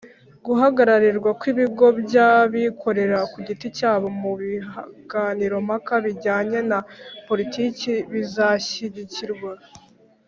guhagararirwa kw'ibigo by'abikorera ku giti cyabo mu biganiro mpaka bijyanye na politiki bizashyigikirwa